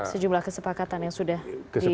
sejumlah kesepakatan yang sudah dipentuk sebelumnya